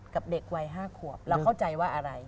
กับเด็กวัย๕ขวบเราเข้าใจว่าอะไร